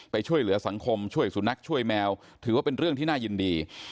ไปช่วยเหลือสังคมช่วยสุนัขช่วยแมวถือว่าเป็นเรื่องที่น่ายินดี